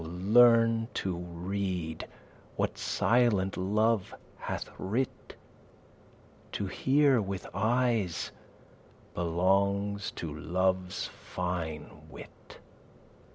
learn to read what silent love hath writ: To hear with eyes belongs to love's fine wit.